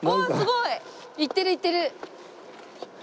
いってるいってる。